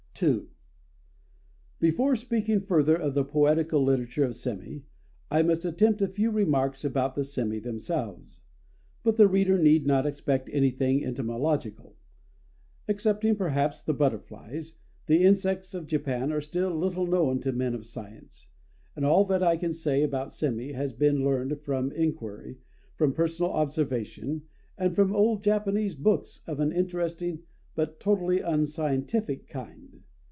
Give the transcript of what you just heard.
_..." II BEFORE speaking further of the poetical literature of sémi, I must attempt a few remarks about the sémi themselves. But the reader need not expect anything entomological. Excepting, perhaps, the butterflies, the insects of Japan are still little known to men of science; and all that I can say about sémi has been learned from inquiry, from personal observation, and from old Japanese books of an interesting but totally unscientific kind.